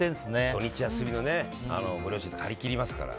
土日休みのご両親ははりきりますから。